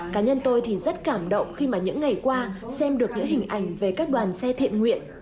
cá nhân tôi thì rất cảm động khi mà những ngày qua xem được những hình ảnh về các đoàn xe thiện nguyện